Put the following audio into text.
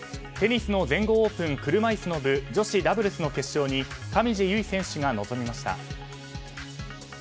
テニスの全豪オープン車いすの部女子ダブルスの決勝に上地結衣選手が臨みました。